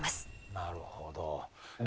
なるほど。